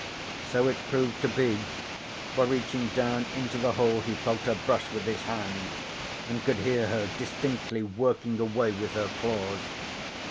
So it proved to be, for reaching down into the hole he felt her brush with his hand, and could hear her distinctly working away with her claws.